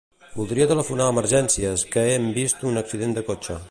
Voldria telefonar a Emergències, que hem vist un accident de cotxe.